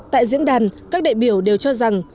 tại diễn đàn các đại biểu đều cho rằng